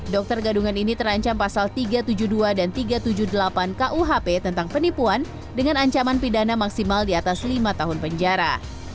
dokter gadungan ini terancam pasal tiga ratus tujuh puluh dua dan tiga ratus tujuh puluh delapan kuhp tentang penipuan dengan ancaman pidana maksimal di atas lima tahun penjara